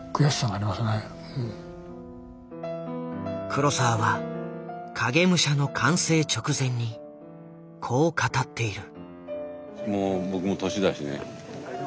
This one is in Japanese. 黒澤は「影武者」の完成直前にこう語っている。